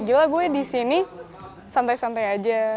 gila gue di sini santai santai aja